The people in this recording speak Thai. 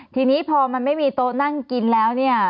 ทีนี้พอมันไม่มีโต๊ะนั่งกินแล้วเนี่ย